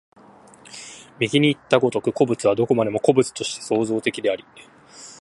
右にいった如く、個物はどこまでも個物として創造的であり、